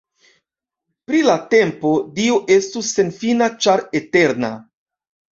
Pri la tempo, Dio estus senfina ĉar eterna.